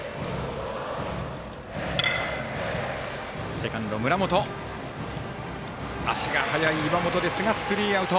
セカンド、村本つかんで足が速い岩本ですがスリーアウト。